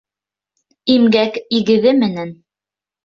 Имгәк игеҙе менән.